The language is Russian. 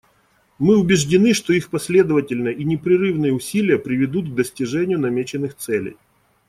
Мы убеждены, что их последовательные и непрерывные усилия приведут к достижению намеченных целей.